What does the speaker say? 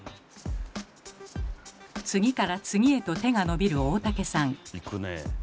次から次へと手が伸びる大竹さん。